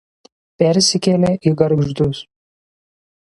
Persikėlė į Gargždus.